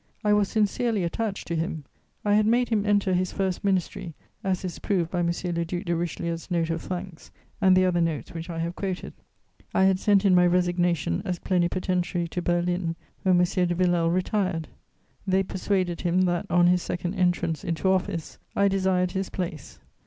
I was sincerely attached to him; I had made him enter his first ministry, as is proved by M. le Duc de Richelieu's note of thanks and the other notes which I have quoted. I had sent in my resignation as Plenipotentiary to Berlin when M. de Villèle retired. They persuaded him that, on his second entrance into office, I desired his place.